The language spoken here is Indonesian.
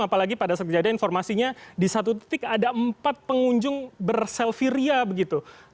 apalagi pada saat kejadian informasinya di satu titik ada empat pengunjung berselfie ria begitu